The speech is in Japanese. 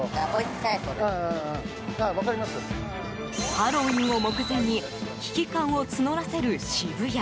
ハロウィーンを目前に危機感を募らせる渋谷。